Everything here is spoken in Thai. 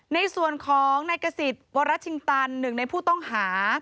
ในส่วนของนายกษิตวรชิงตันหนึ่งในผู้ต้องหา